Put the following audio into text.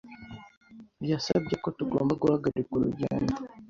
Yasabye ko tugomba guhagarika urugendo.